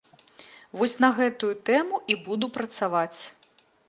Вось на гэтую тэму і буду працаваць.